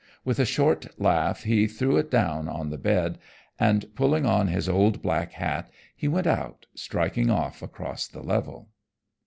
With a short laugh he threw it down on the bed, and pulling on his old black hat, he went out, striking off across the level.